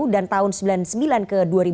dan tahun sembilan puluh sembilan ke